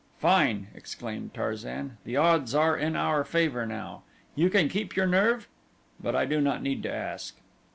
"Fine!" exclaimed Tarzan. "The odds are in our favor now. You can keep your nerve? but I do not need to ask."